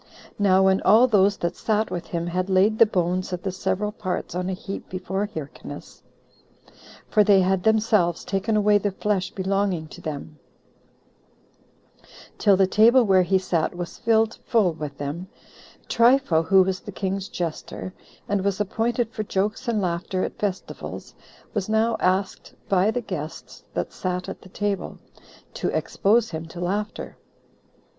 Now when all those that sat with him had laid the bones Of the several parts on a heap before Hyrcanus, [for they had themselves taken away the flesh belonging to them,] till the table where he sat was filled full with them, Trypho, who was the king's jester, and was appointed for jokes and laughter at festivals, was now asked by the guests that sat at the table [to expose him to laughter].